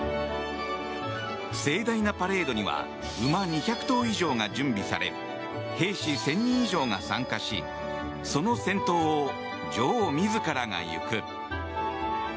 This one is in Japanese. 盛大なパレードには馬２００頭以上が準備され兵士１０００人以上が参加しその先頭を女王自らが行く。